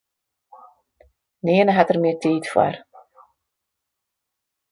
Nearne hat er mear tiid foar.